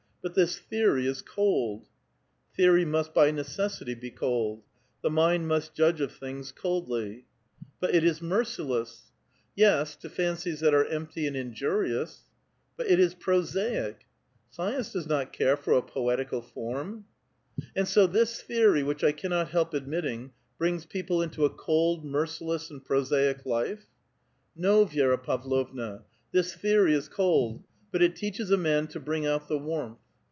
But this theory is cold !" ''Theory must by necessity be cold. The mind must judge of things coldly." " But it is merciless." A VITAL QUESTION. 87 *' Yes, to fancies that are empty and injurious." " But it is prosaic." *' Science does not care for a poetical form." " And so this theory, which I cannot help admitting, brings people into a cold, merciless, and prosaic life ?" ^•No, Vi^ra Pavlovna; this theory is cold, but it teaches a man to bring out the warmth.